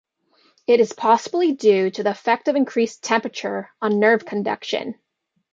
It is possibly due to the effect of increased temperature on nerve conduction.